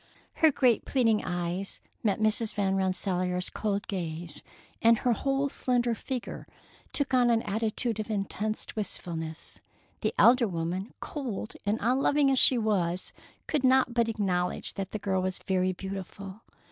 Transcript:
Her great pleading eyes met Mrs. Van Rensselaer's cold gaze, and her whole slender figure took an attitude of intense wistfulness. The elder woman, cold and unloving as she was, could not but acknowledge that the girl was very beautiful.